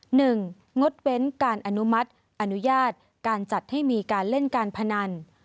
งดเว้นการอนุมัติอนุญาตการจัดให้มีการเล่นการพนัน